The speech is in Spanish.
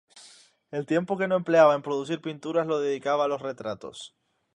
El tiempo que no empleaba en producir pinturas lo dedicaba a los retratos.